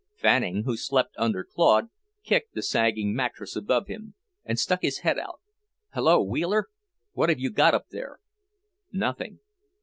Fanning, who slept under Claude, kicked the sagging mattress above him and stuck his head out. "Hullo, Wheeler! What have you got up there?" "Nothing."